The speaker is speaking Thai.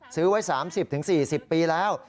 ซื้อไว้๓๐๔๐ปีแล้ว